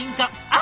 あ！